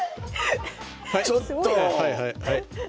⁉ちょっと！